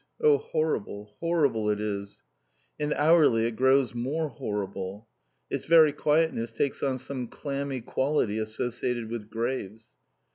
Oh, horrible, horrible it is! And hourly it grows more horrible. Its very quietness takes on some clammy quality associated with graves.